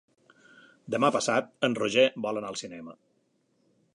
Demà passat en Roger vol anar al cinema.